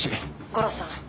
悟郎さん。